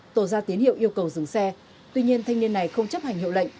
tổ ra tín hiệu yêu cầu dừng xe tuy nhiên thanh niên này không chấp hành hiệu lệnh